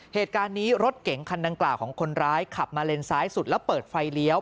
เหตุการณ์นี้รถเก๋งคันดังกล่าวของคนร้ายขับมาเลนซ้ายสุดแล้วเปิดไฟเลี้ยว